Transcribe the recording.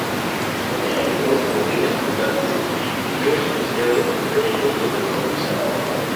Otro cultivos como viñas, frutales, cultivos industriales entre otros no se producen.